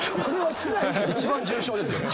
一番重症ですね。